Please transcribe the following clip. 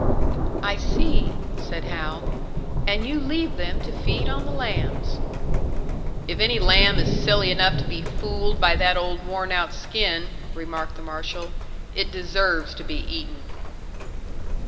"I see," said Hal. "And you leave them to feed on the lambs!" "If any lamb is silly enough to be fooled by that old worn out skin," remarked the marshal, "it deserves to be eaten."